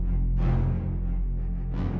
ที่สุดท้ายที่สุดท้าย